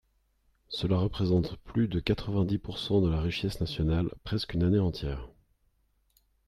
Cela représente plus de quatre-vingt-dix pourcent de la richesse nationale, presque une année entière.